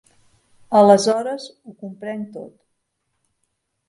Aleshores ho comprenc tot.